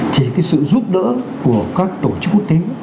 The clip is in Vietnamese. chỉ cái sự giúp đỡ của các tổ chức quốc tế